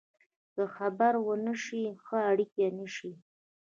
که ښه خبرې ونه شي، ښه اړیکې نشي